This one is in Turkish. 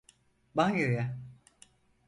Banyoya.